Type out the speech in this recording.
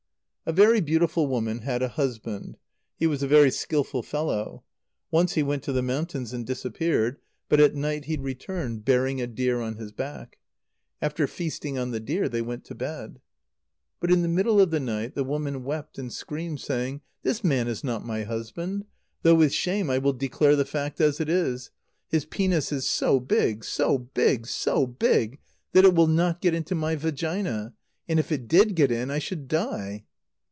_ A very beautiful woman had a husband. He was a very skilful fellow. Once he went to the mountains, and disappeared. But at night he returned, bearing a deer on his back. After feasting on the deer, they went to bed. But in the middle of the night, the woman wept and screamed, saying: "This man is not my husband. Though with shame, I will declare the fact as it is. His penis is so big, so big, so big, that it will not get into my vagina; and if it did get in, I should die."